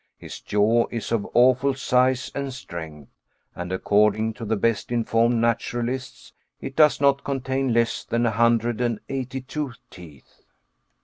His jaw is of awful size and strength, and according to the best informed naturalists, it does not contain less than a hundred and eighty two teeth.